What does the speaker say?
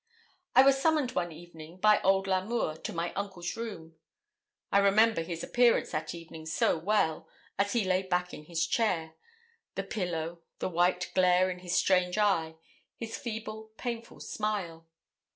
I was summoned one evening by old L'Amour, to my uncle's room. I remember his appearance that evening so well, as he lay back in his chair; the pillow; the white glare of his strange eye; his feeble, painful smile.